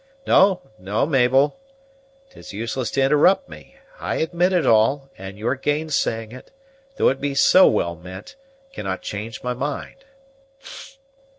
No, no, Mabel, 'tis useless to interrupt me; I admit it all, and your gainsaying it, though it be so well meant, cannot change my mind.